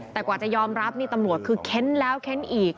แต่กว่าจะยอมรับนี่ตำรวจคือเค้นแล้วเค้นอีก